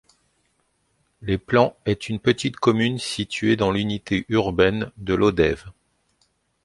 Les Plans est une petite commune située dans l'unité urbaine de Lodève.